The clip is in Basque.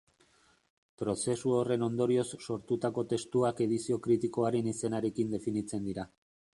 Prozesu horren ondorioz sortutako testuak edizio kritikoaren izenarekin definitzen dira.